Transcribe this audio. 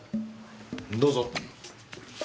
どうぞ。